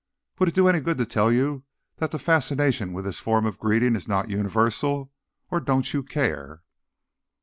Would it do any good to tell you that the fascination with this form of greeting is not universal? Or don't you care?"